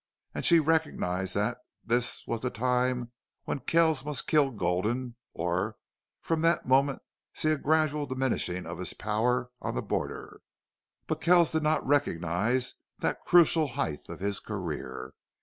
And she recognized that this was the time when Kells must kill Gulden or from that moment see a gradual diminishing of his power on the border. But Kells did not recognize that crucial height of his career.